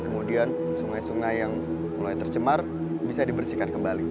kemudian sungai sungai yang mulai tercemar bisa dibersihkan kembali